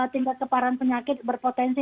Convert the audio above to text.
tingkat keparan penyakit berpotensi